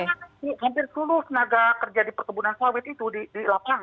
sementara nanti hampir seluruh tenaga kerja di pertumbuhan sawit itu di lapangan itu